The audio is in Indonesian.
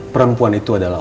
perempuan itu adalah